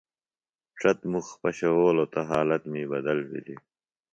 ڇت مُخ پشَؤولوۡ تہ حالت می بدل بِھلیۡ۔